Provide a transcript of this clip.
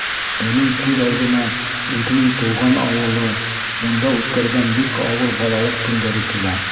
Уның күҙ алдына үҙенең тыуған ауылы, унда үткәргән бик ауыр балалыҡ көндәре килә.